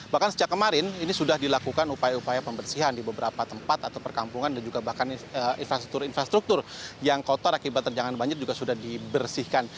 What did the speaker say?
bahkan sejak kemarin ini sudah dilakukan upaya upaya pembersihan di beberapa tempat atau perkampungan dan juga bahkan infrastruktur infrastruktur yang kotor akibat terjangan banjir juga sudah dibersihkan